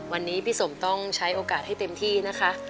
วันนี้พี่สมต้องใช้โอกาสให้เต็มที่นะคะ